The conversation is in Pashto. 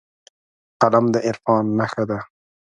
قلم د عرفان نښه ده